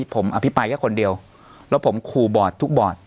ผมอภิปรายแค่คนเดียวแล้วผมขู่บอร์ดทุกบอร์ด